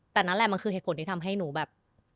แต่นั่นแหละมันคือเหตุผลที่ทำให้หนูแบบ